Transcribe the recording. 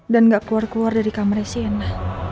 dan gak keluar keluar dari kamarnya sienna